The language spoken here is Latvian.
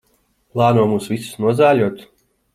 Plāno mūs visus nozāļot?